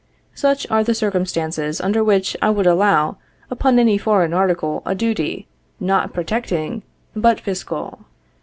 Such are the circumstances under which I would allow upon any foreign article a duty, not protecting but fiscal.